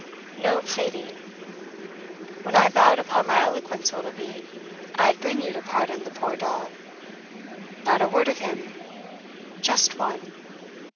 "No pleading!" "When I've vowed upon my eloquence, Willoughby, I'd bring you to pardon the poor dog?" "Not a word of him!" "Just one!"